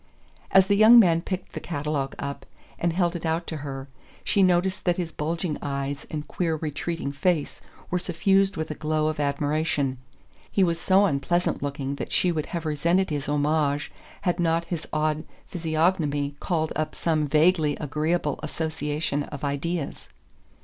As the young man picked the catalogue up and held it out to her she noticed that his bulging eyes and queer retreating face were suffused with a glow of admiration. He was so unpleasant looking that she would have resented his homage had not his odd physiognomy called up some vaguely agreeable association of ideas.